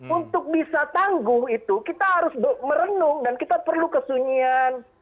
untuk bisa tangguh itu kita harus merenung dan kita perlu kesunyian